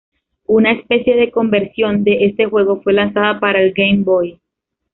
Una "especie" de conversión, de este juego fue lanzada para el Game Boy.